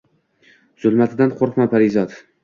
zulmatidan qoʼrqma, parizod.